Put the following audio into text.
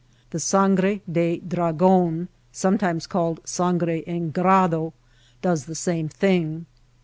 The sangre de dragon (sometimes called sangre en grado) does the same thing.